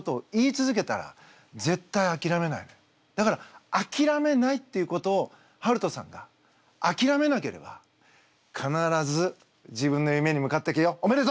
だからあきらめないっていうことをはるとさんがあきらめなければ必ず自分の夢に向かっていくよおめでとう！